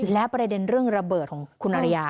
และประเด็นเรื่องระเบิดของคุณอริยา